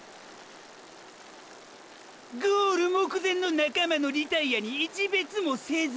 ゴール目前の仲間のリタイアに一瞥もせず！！